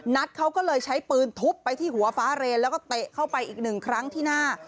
นัทเขาก็เลยใช้ปืนทุบไปที่หัวฟ้าเรนแล้วก็เตะเข้าไปอีกหนึ่งครั้งที่หน้า